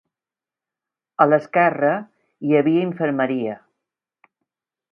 A l'esquerra, hi havia infermeria.